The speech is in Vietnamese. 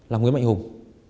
là nguyễn mạnh hùng